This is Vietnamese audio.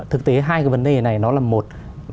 thực tế hai cái vấn đề này nó là một